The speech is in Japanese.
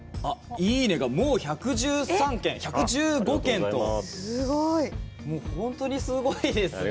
「いいね」がもう１１５件と本当にすごいですね。